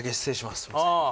すいません